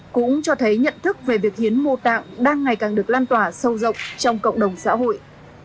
cũng cho thấy nhận thức về việc hiến mô tạng đang ngày càng được lan tỏa sâu rộng trong cộng đồng xã hội